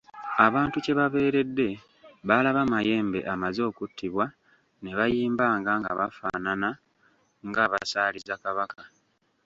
Abantu kye babeeredde, baalaba Mayembe amaze okuttibwa ne bayimbanga nga bafaanana ng'abasaaliza Kabaka.